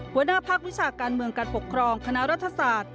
หัวหน้าภาควิชาการเมืองการปกครองคณะรัฐศาสตร์